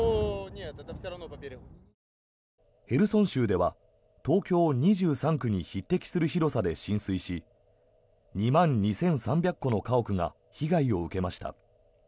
ヘルソン州では東京２３区に匹敵する広さで浸水し２万２３００戸の家屋が被害を受けました。